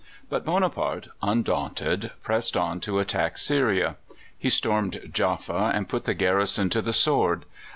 But Bonaparte, undaunted, pressed on to attack Syria. He stormed Jaffa, and put the garrison to the sword.